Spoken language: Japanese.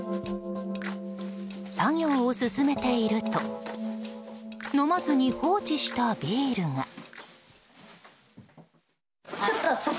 作業を進めていると飲まずに放置したビールが。